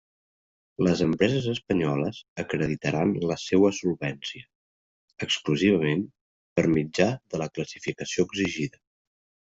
Les empreses espanyoles acreditaran la seua solvència, exclusivament, per mitjà de la classificació exigida.